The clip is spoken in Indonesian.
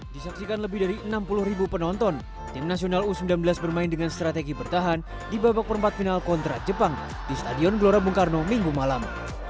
disaksikan lebih dari enam puluh ribu penonton tim nasional u sembilan belas bermain dengan strategi bertahan di babak perempat final kontra jepang di stadion gelora bung karno minggu malam